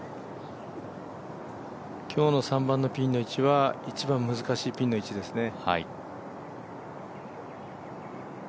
今日の３番は一番難しいピンの位置ですね。